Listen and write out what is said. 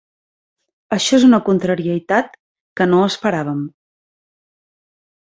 Això és una contrarietat que no esperàvem.